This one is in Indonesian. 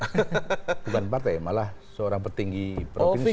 bukan partai malah seorang petinggi provinsi